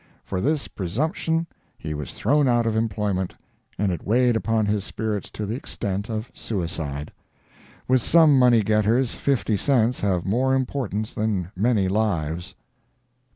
For this presumption he was thrown out of employment, and it weighed upon his spirits to the extent of suicide. With some money getters fifty cents have more importance than many lives.